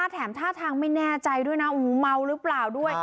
แถมท่าทางไม่แน่ใจด้วยนะเมาหรือเปล่าด้วย